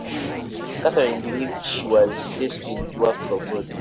Catherine believed she was destined to work for God.